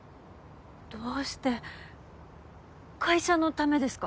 どうして会社のためですか？